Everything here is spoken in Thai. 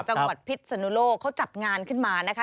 พิษสนุโลกเขาจัดงานขึ้นมานะคะ